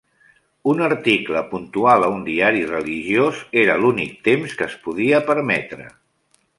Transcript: Un article puntual a un diari religiós era l'únic temps que es podia permetre.